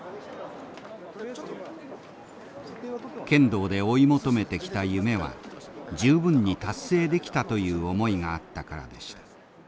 剣道で追い求めてきた夢は十分に達成できたという思いがあったからでした。